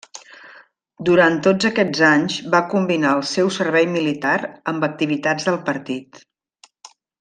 Durant tots aquests anys va combinar el seu servei militar amb activitats del Partit.